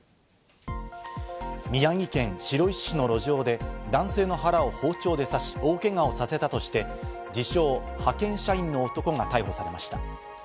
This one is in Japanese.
宮城県白石市の路上で男性の腹を包丁で刺し、大けがを負わせたとして、自称・派遣社員の男が逮捕されました。